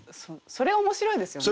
それ面白いですよね。